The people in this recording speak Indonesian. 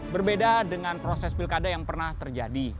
berbeda dengan proses pilkada yang pernah terjadi